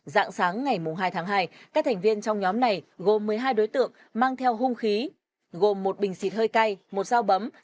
dạng sáng ngày hai tháng hai các thành viên trong nhóm này gồm một mươi hai đối tượng mang theo hung khí gồm một bình xịt hơi cay một dao bấm